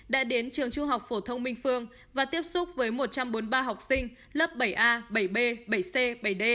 đã đến trường trung học phổ thông minh phương và tiếp xúc với một trăm bốn mươi ba học sinh lớp bảy a bảy b bảy c bảy d